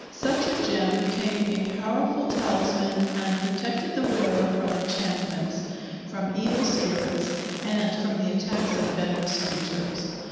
Such a gem became a powerful talisman and protected the wearer from enchantments, from evil spirits, and from the attacks of venomous creatures.